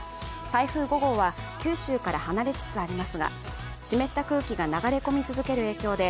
台風５号は九州から離れつつありますが、湿った空気が流れ込み続ける影響で、